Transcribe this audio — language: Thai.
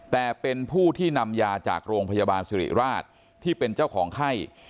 แต่เป็นผู้ที่นำยาจากโรงพยาบาลสิริราชที่เป็นเจ้าของไข้